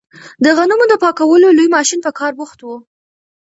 د غنمو د پاکولو لوی ماشین په کار بوخت و.